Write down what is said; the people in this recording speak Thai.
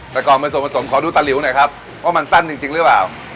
แต่ก่อนเป็นส่วนผสมขอดูตาหลิวหน่อยครับว่ามันสั้นจริงหรือเปล่า